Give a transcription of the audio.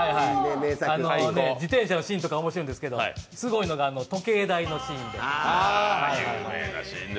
自転車のシーンとか面白いんですけど、すごいのが時計台のシーンで。